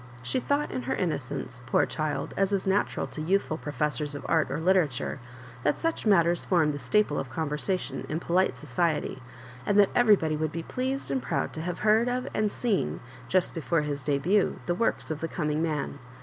She thought, in her innocence, poor child, as is natural to youthful professors of art or literature, that such matters form the staple of conversation in polite society, and that every body would be pleased and proud to have heard of and seen, just before his ddnit, the works of the co'hiing man.